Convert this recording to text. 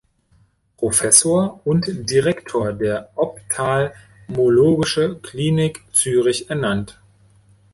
Professor und Direktor der Ophthalmologische Klinik Zürich ernannt.